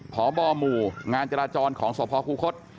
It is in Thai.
ผอบ่อหมู่งานจราจรของสภครูครส